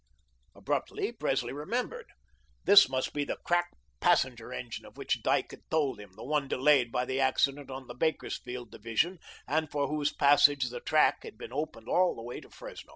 Abruptly Presley remembered. This must be the crack passenger engine of which Dyke had told him, the one delayed by the accident on the Bakersfield division and for whose passage the track had been opened all the way to Fresno.